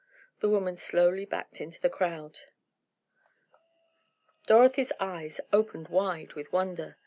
The woman slowly backed into the crowd. Dorothy's eyes opened wide with wonder!